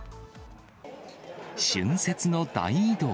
春節の大移動。